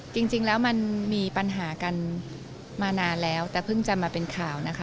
จริงแล้วมันมีปัญหากันมานานแล้วแต่เพิ่งจะมาเป็นข่าวนะคะ